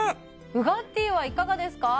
ウガッティーはいかがですか？